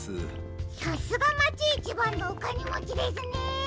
さすがまちいちばんのおかねもちですね！